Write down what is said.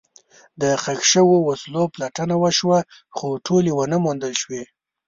د ښخ شوو وسلو پلټنه وشوه، خو ټولې ونه موندل شوې.